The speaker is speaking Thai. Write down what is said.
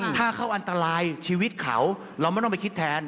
ถ้าเขาอันตรายชีวิตเขาเราไม่ต้องไปคิดแทน